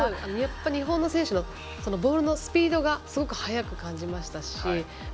日本の選手のボールのスピードがすごく速く感じましたし。